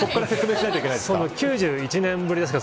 ９１年ぶりですか。